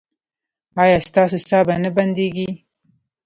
ایا ستاسو ساه به نه بندیږي؟